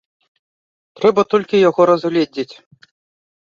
Трэба толькі яго разгледзець.